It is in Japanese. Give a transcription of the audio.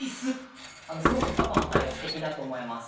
なかなかすごくパパの対応すてきだと思います。